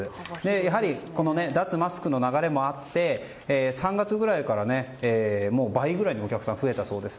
やはり、脱マスクの流れもあって３月ぐらいから倍くらいにお客さんが増えたそうです。